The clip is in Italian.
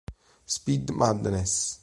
Speed Madness